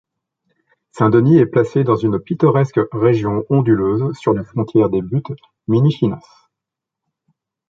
St-Denis est placé dans une pittoresque région onduleuse sur la frontière des buttes Minichinas.